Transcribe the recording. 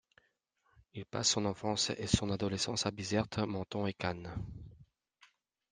Il passe son enfance et son adolescence à Bizerte, Menton et Cannes.